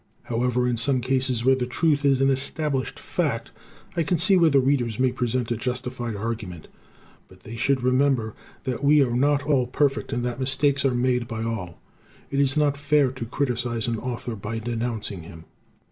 However, in some cases where the truth is an established fact, I can see where the Readers may present a justified argument. But they should remember that we are not all perfect and that mistakes are made by all. It is not fair to criticize an Author by denouncing him.